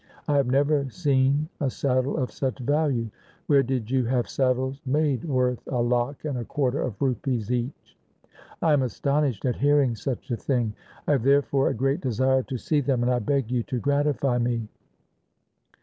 I have never seen a saddle of such value. Where did you have saddles made worth a lakh and a quarter of rupees each ? I am astonished at hearing such a thing. I have therefore a great desire to see them, M 2 164 THE SIKH RELIGION and I beg you to gratify me.'